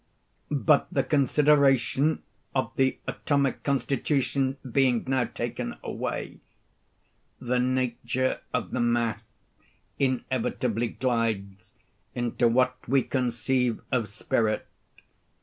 But the consideration of the atomic constitution being now taken away, the nature of the mass inevitably glides into what we conceive of spirit.